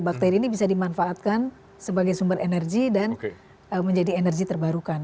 bakteri ini bisa dimanfaatkan sebagai sumber energi dan menjadi energi terbarukan